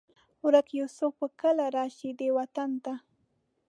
ورک یوسف به کله؟ راشي دې وطن ته